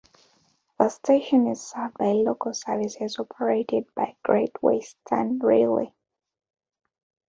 The station is served by local services operated by Great Western Railway.